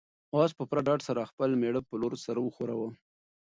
آس په پوره ډاډ سره د خپل مېړه په لور سر وښوراوه.